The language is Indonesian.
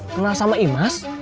kenal sama imas